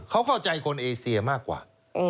เขาเข้าใจคนเอเซียมากกว่า